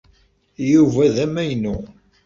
Yuba d amaynu.